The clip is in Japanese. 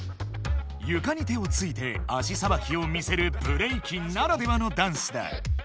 ゆかに手をついて足あしさばきを見せるブレイキンならではのダンスだ。